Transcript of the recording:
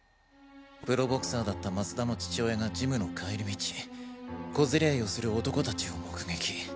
プロボクサーだった松田の父親がジムの帰り道小競り合いをする男達を目撃。